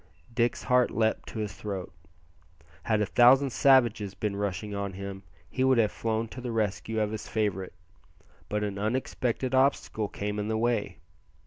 Dick's heart leaped to his throat. Had a thousand savages been rushing on him he would have flown to the rescue of his favourite; but an unexpected obstacle came in the way.